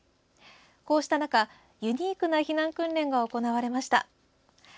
こうした中、ユニークな避難訓練が行われました。